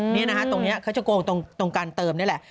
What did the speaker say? นี่นะฮะตรงนี้เขาจะโกงตรงการเติมนี่แหละ